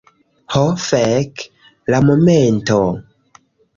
Ho, fek'. La momento.